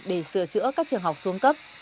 để sửa chữa các trường học xuống cấp